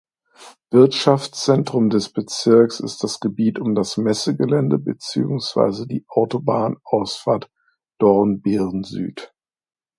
Wirtschaftszentrum des Bezirkes ist das Gebiet um das Messegelände beziehungsweise die Autobahnausfahrt Dornbirn Süd.